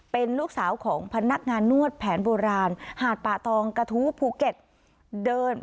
เป็นลูกสาวของพนักงานนวดแผนโบราณหาดป่าตองกระทู้ภูเก็ตเดิน